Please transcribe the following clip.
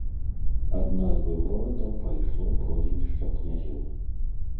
Ад назвы горада пайшло прозвішча князёў.